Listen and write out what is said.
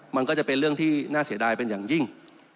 มันก็จะเป็นเรื่องที่น่าเสียดายเป็นอย่างยิ่ง